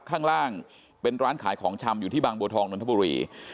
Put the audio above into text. ข้างล่างเป็นร้านขายของชำอยู่ที่บางบัวทองนนทบุรี